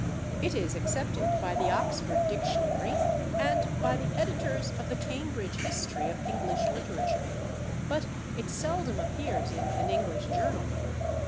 It is accepted by the Oxford Dictionary and by the editors of the Cambridge History of English Literature, but it seldom appears in an English journal.